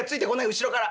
後ろから」。